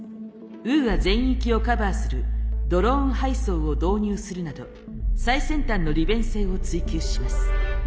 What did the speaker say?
ウーア全域をカバーするドローン配送を導入するなど最先端の利便性を追求します。